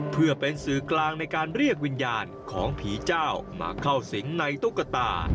เพื่อเป็นสื่อกลางในการเรียกวิญญาณของผีเจ้ามาเข้าสิงในตุ๊กตา